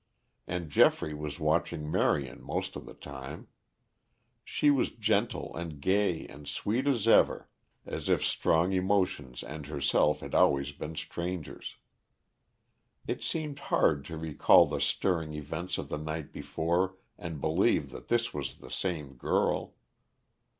And Geoffrey was watching Marion most of the time. She was gentle and gay and sweet as ever, as if strong emotions and herself had always been strangers. It seemed hard to recall the stirring events of the night before and believe that this was the same girl.